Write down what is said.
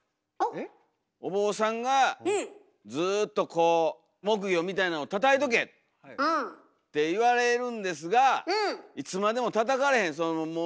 お坊さんがずっとこう木魚みたいなんをたたいとけって言われるんですがいつまでもたたかれへん。